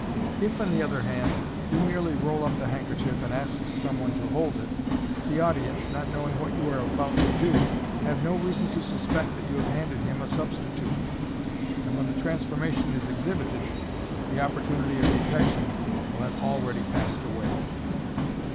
If, on the other hand, you merely roll up the handkerchief, and ask some one to hold it, the audience, not knowing what you are about to do, have no reason to suspect that you have handed him a substitute j and when the transformation is exhibited, the opportunity of detection will have already passed away.